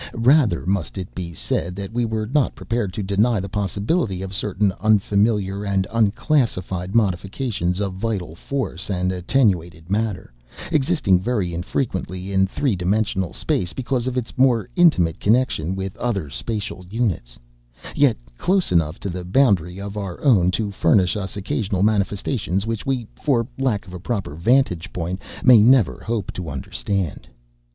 Rather must it be said that we were not prepared to deny the possibility of certain unfamiliar and unclassified modifications of vital force and attenuated matter; existing very infrequently in three dimensional space because of its more intimate connection with other spatial units, yet close enough to the boundary of our own to furnish us occasional manifestations which we, for lack of a proper vantage point, may never hope to understand.